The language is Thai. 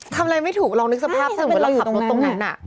ทำอะไรไม่ถูกลองนึกสภาพสนุกเราขับรถตรงนั้น